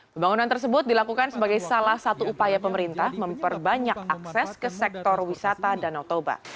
pembangunan tersebut dilakukan sebagai salah satu upaya pemerintah memperbanyak akses ke sektor wisata danau toba